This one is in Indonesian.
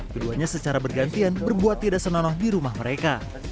keduanya secara bergantian berbuat tidak senonoh di rumah mereka